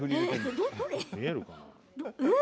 見えるかな？